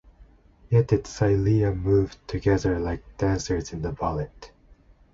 Yet its cilia move together like dancers in a ballet.